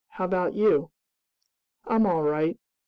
How about you?" "I'm all right.